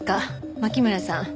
槇村さん